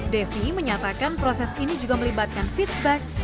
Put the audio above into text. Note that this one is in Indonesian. devi menyatakan proses ini juga melibatkan feedback